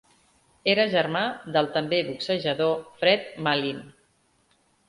Era germà del també boxejador Fred Mallin.